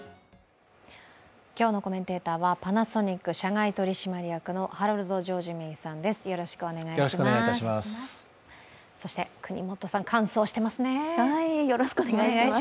今日のコメンテーターはパナソニック社外取締役のハロルド・ジョージ・メイさんです。